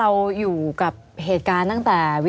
ไม่มีครับไม่มีครับ